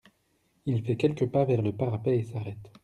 Il fait quelques pas vers le parapet et s’arrête.